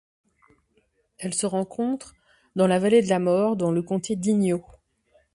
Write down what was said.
Elle se rencontre dans la vallée de la Mort dans le comté d'Inyo.